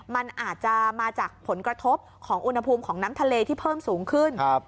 มันอาจจะมาจากผลกระทบของอุณหภูมิของน้ำทะเลที่เพิ่มสูงขึ้น